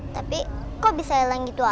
jangan biasanya jangan putting dia